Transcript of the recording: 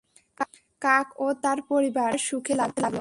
কাক ও তার পরিবার আবার সুখে থাকতে লাগল।